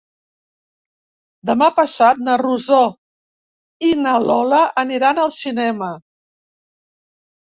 Demà passat na Rosó i na Lola aniran al cinema.